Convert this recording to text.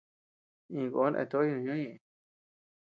Iña koón eatoʼóy noo ñoʼó ñëʼeñ.